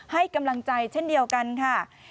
ให้กำลังใจเช่นเดียวกันค่ะ